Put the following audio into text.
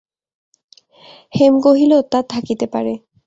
হেম কহিল, তা থাকিতে পারে।